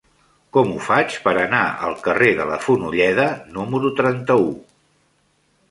Com ho faig per anar al carrer de la Fonolleda número trenta-u?